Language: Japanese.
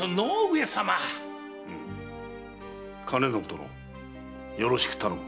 兼延殿よろしく頼む。